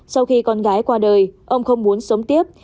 sau khi con gái qua đời ông không muốn sống tiếp